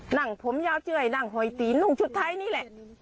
หนังผมยาวเจ้ยหนังหอยตีนหนึ่งชุดท้ายนี่แหละ